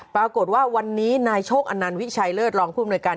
ปรากฏว่าวันนี้นายโชคอนันต์วิชัยเลิศรองผู้อำนวยการ